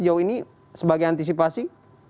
sejauh ini sebagai antisipasi